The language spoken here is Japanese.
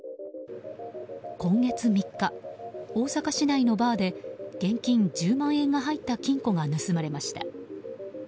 今月３日、大阪市内のバーで現金１０万円が入った金庫が盗まれました。